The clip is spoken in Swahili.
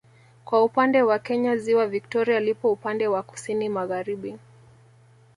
Kwa upande wa Kenya ziwa Victoria lipo upande wa kusini Magharibi